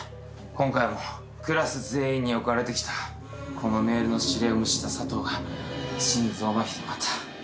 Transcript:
今回もクラス全員に送られてきたこのメールの指令を無視したサトウが心臓まひでまた。